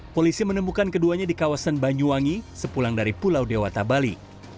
polisi menemukan keduanya di kawasan banyuwangi sepulang dari pulau dewata bali